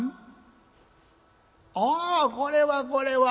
ああこれはこれは。